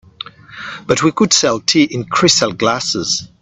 But we could sell tea in crystal glasses.